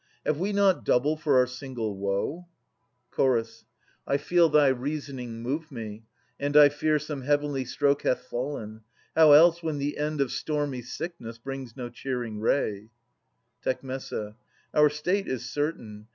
Have we not double for our single woe? Ch. I feel thy reasoning move me, and I fear Some heavenly stroke hath fallen. How else, when the end Of stormy sickness brings no cheering ray? Tec. Our state is certain.